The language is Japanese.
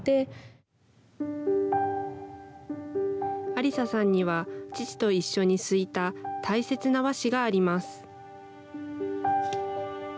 安理沙さんには父と一緒にすいた大切な和紙があります。